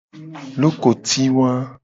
Lokoti wa.